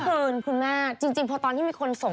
เยี่ยมใจคุณมาทจริงพอที่มีคลิปสั่ง